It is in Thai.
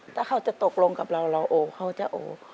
ถ้าเขาจะตกลงกับเราเราโอเขาจะโอ